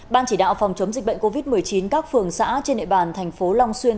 ban chỉ đạo phòng chống dịch bệnh covid một mươi chín các phường xã trên địa bàn thành phố long xuyên